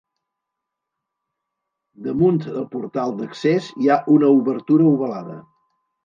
Damunt del portal d'accés hi ha una obertura ovalada.